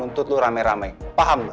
dan semua klien gue akan bawa lo ke pengadilan